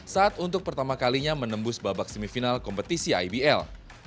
saat untuk pertama kalinya menembus babak semifinal kompetisi ibl